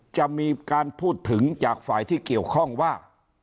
จะมีการพูดถึงจากฝ่ายที่เกี่ยวข้องว่า